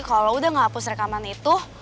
kalau udah gak hapus rekaman itu